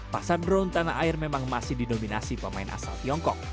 pasar drone tanah air memang masih didominasi pemain asal tiongkok